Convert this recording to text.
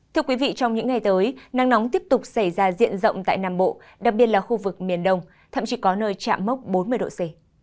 thưa quý vị trong những ngày tới nắng nóng tiếp tục xảy ra diện rộng tại nam bộ đặc biệt là khu vực miền đông thậm chí có nơi chạm mốc bốn mươi độ c